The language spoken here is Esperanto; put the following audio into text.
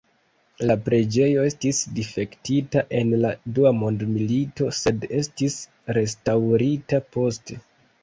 La preĝejo estis difektita en la dua mondmilito, sed estis restaŭrita poste.